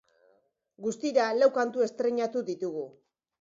Guztira, lau kantu estreinatu ditugu.